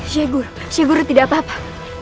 seyegur seyegur tidak apa apa